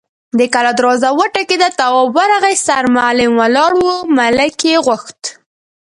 د کلا دروازه وټکېده، تواب ورغی، سرمعلم ولاړ و، ملک يې غوښت.